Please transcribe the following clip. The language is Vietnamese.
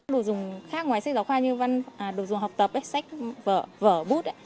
đồ dùng khác ngoài sách giáo khoa như đồ dùng học tập sách vở bút